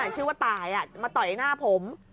ชื่อว่าตายมาต่อยหน้าผม